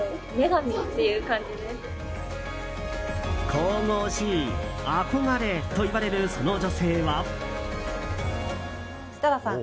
神々しい、憧れと言われるその女性は。